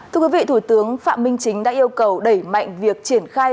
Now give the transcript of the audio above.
thưa quý vị thủ tướng phạm minh chính đã yêu cầu đẩy mạnh việc triển khai